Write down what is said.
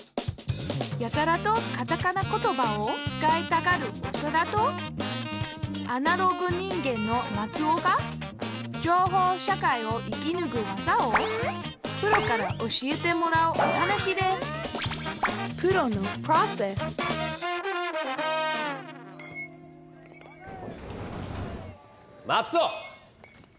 やたらとカタカナ言葉を使いたがるオサダとアナログ人間のマツオが情報社会を生きぬく技をプロから教えてもらうお話ですマツオ！